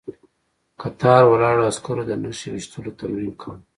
کتار ولاړو عسکرو د نښې ويشتلو تمرين کاوه.